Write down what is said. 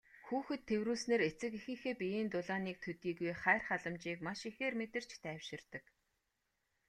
Хүүхэд тэврүүлснээр эцэг эхийнхээ биеийн дулааныг төдийгүй хайр халамжийг маш ихээр мэдэрч тайвширдаг.